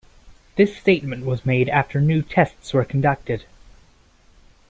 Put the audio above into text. This statement was made after new tests were conducted.